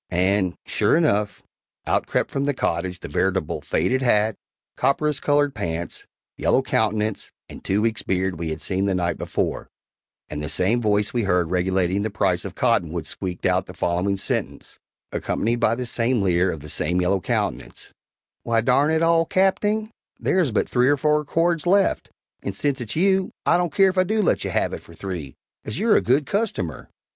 And, sure enough, out crept from the cottage the veritable faded hat, copperas colored pants, yellow countenance and two weeks' beard we had seen the night before, and the same voice we had heard regulating the price of cottonwood squeaked out the following sentence, accompanied by the same leer of the same yellow countenance: "Why, darn it all, Capting, there is but three or four cords left, and since it's you, I don't care if I do let you have it for three as you're a good customer!"